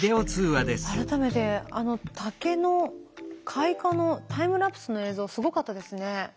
改めてあの竹の開花のタイムラプスの映像すごかったですね。